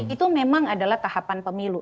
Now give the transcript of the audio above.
itu memang adalah tahapan pemilu